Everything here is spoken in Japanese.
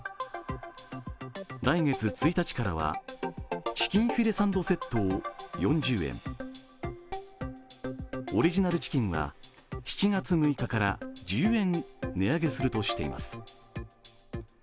来月１日からはチキンフィレサンドセットを４０円、オリジナルチキンは７月６日から１０円値上げするとしています。